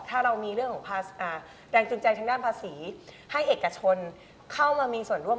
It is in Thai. ถ้าเรามีเรื่องของแรงจูงใจทางด้านภาษีให้เอกชนเข้ามามีส่วนร่วม